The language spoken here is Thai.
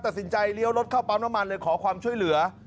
ตัดสินใจเลี้ยวรถเข้าปั๊มน้ำมันเลยขอความช่วยเหลือ